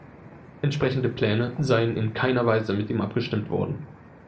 Entsprechende Pläne seien „in keiner Weise“ mit ihm abgestimmt worden.